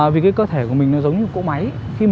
vì cái cơ thể của mình nó giống như cỗ máy